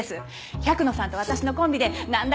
百野さんと私のコンビでなんだ